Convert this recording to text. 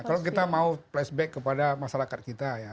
kalau kita mau flashback kepada masyarakat kita ya